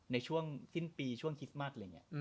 ในช่วงสิ้นปีช่วงคิดมัตต์